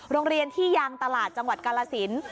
โรงเรียนที่ยางตลาดจังหวัดกาลสิน